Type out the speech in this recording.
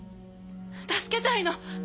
助けたいの！